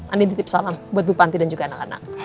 andin ditipu salam buat bu panti dan juga anak anak